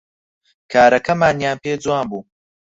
کارەکەمانیان پێ جوان بوو